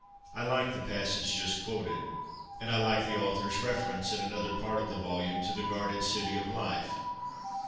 I like the passage just quoted, and I like the author's reference, in another part of the volume, to the guarded city of life.